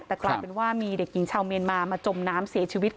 แต่กลายเป็นว่ามีเด็กหญิงชาวเมียนมามาจมน้ำเสียชีวิต